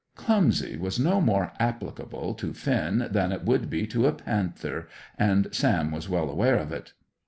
"Clumsy" was no more applicable to Finn than it would be to a panther, and Sam was well aware of it.